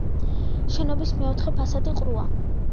შენობის მეოთხე ფასადი ყრუა.